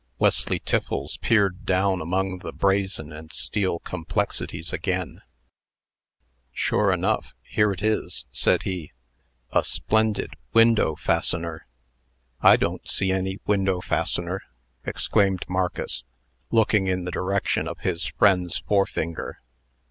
Wesley Tiffles peered down among the brazen and steel complexities again. "Sure enough, here it is," said he; "a splendid window fastener." "I don't see any window fastener," exclaimed Marcus, looking in the direction of his friend's forefinger.